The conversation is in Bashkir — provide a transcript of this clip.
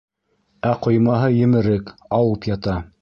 Ә ҡоймаһы емерек, ауып ята.